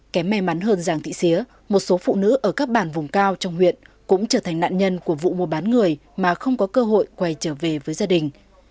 kém may mắn hơn giàng thị xía một số phụ nữ ở các bản vùng cao trong huyện cũng trở thành nạn nhân của vụ mua bán người mà không có cơ hội quay trở về với gia đình